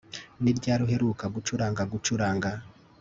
Ni ryari uheruka gucuranga gucuranga